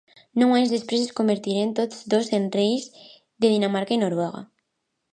Nou anys després es convertiren tots dos en reis de Dinamarca i Noruega.